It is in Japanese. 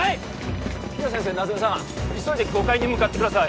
比奈先生夏梅さん急いで５階に向かってください